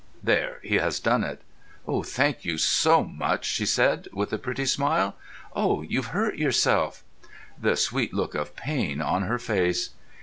There—he has done it. "Thank you so much," she said, with a pretty smile. "Oh, you've hurt yourself!" The sweet look of pain on her face!